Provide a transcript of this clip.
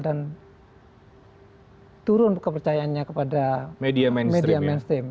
dan turun kepercayaannya kepada media mainstream